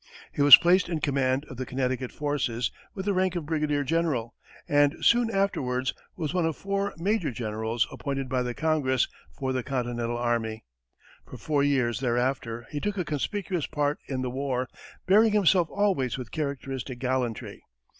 He was placed in command of the Connecticut forces with the rank of brigadier general, and soon afterwards was one of four major generals appointed by the Congress for the Continental army. For four years thereafter he took a conspicuous part in the war, bearing himself always with characteristic gallantry.